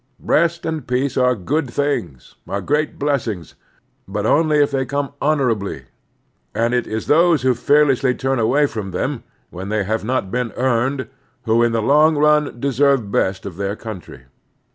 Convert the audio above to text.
Rest and peace are good things, are great blessings, but only if they come honorably ; and it is those who fearlessly ttmi away from them, when they have not been earned, who in the long run deserve best of their cotmtry.